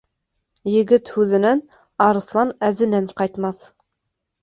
Егет һүҙенән, арыҫлан әҙенән ҡайтмаҫ.